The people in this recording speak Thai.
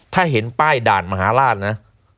ถ้าเห็นป้ายด่านมหาราชนะ